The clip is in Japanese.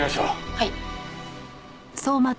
はい。